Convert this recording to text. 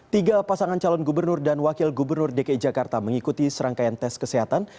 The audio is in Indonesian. tiga pasangan calon gubernur dan wakil gubernur dki jakarta mengikuti serangkaian tes kesehatan